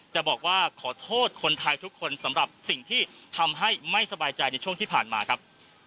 จะบอกว่าขอโทษคนไทยทุกคนสำหรับสิ่งที่ทำให้ไม่สบายใจในช่วงที่ผ่านมาครับ